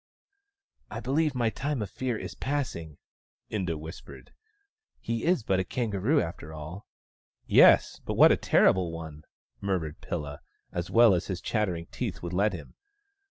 " I believe my time of fear is passing," Inda whispered. "He is but a kangaroo, after all." " Yes, but what a terrible one !" murmured Pilla, as well as his chattering teeth would let him.